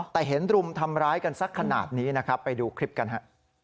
แต่เห็นรุมทำร้ายกันสักขนาดนี้นะครับไปดูคลิปกันฮะ